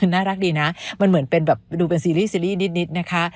คือน่ารักดีนะมันเหมือนเป็นแบบดูเป็นซีรีส์ซีรีส์นิดนะคะ